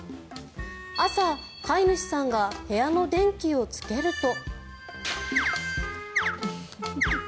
朝、飼い主さんが部屋の電気をつけると。